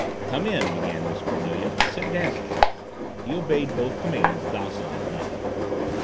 "Come in," began Miss Cornelia. "Sit down." He obeyed both commands docilely enough.